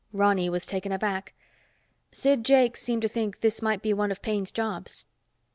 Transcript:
Ronny was taken aback. "Sid Jakes seemed to think this might be one of Paine's jobs."